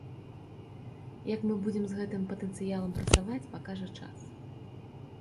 Як мы будзем з гэтым патэнцыялам працаваць, пакажа час.